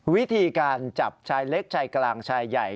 วิธีการจับชายเล็กชายกลางชายใหญ่